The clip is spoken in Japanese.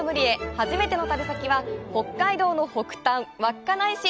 初めての旅先は北海道の北端・稚内市。